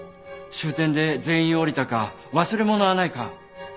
終点で全員降りたか忘れ物はないか。